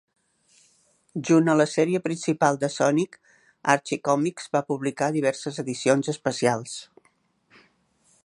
Junt a la sèrie principal de Sonic, Archie Comics va publicar diverses edicions especials.